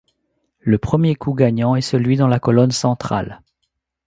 Le seul premier coup gagnant est celui dans la colonne centrale.